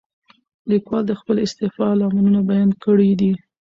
لیکوال د خپلې استعفا لاملونه بیان کړي دي.